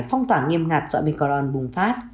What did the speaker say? phong toả nghiêm ngặt do omicron bùng phát